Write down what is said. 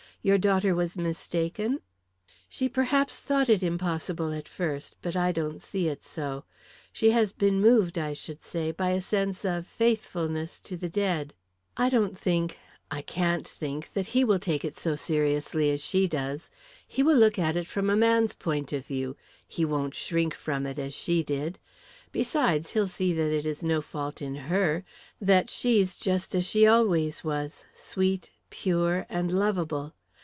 "Your daughter was mistaken?" "She perhaps thought it impossible at first; but I don't see it so. She has been moved, I should say, by a sense of faithfulness to the dead. I don't think I can't think that he will take it so seriously as she does. He will look at it from a man's point of view; he won't shrink from it as she did; besides, he'll see that it is no fault in her, that she's just as she always was, sweet, pure, and lovable.